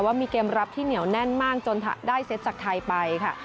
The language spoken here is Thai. ว่ามีเกมรับที่เหนียวแน่นมากจนได้เซตจากไทยไปค่ะ